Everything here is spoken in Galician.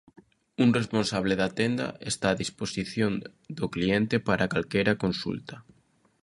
Un responsable da tenda está a disposición do cliente para calquera consulta.